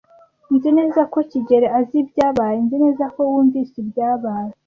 Nzi neza ko kigeli azi ibyabaye. Nzi neza ko wumvise ibyabaye.